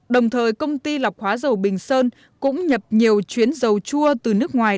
đồng thời công ty lọc hóa dầu bình sơn cũng nhập nhiều chuyến dầu chua từ nước ngoài